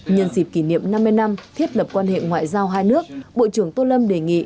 nhân dịp kỷ niệm năm mươi năm thiết lập quan hệ ngoại giao hai nước bộ trưởng tô lâm đề nghị